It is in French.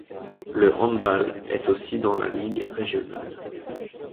Le Handball est aussi dans la ligue régionale.